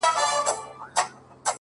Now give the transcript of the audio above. دغه نجلۍ نن و هيندارې ته موسکا ورکوي;